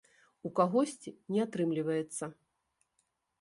У кагосьці не атрымліваецца.